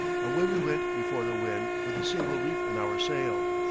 Away we went before the wind with a single reef in our sail.